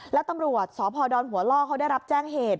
แล้วตำรวจสพดหัวล่อเขาได้รับแจ้งเหตุ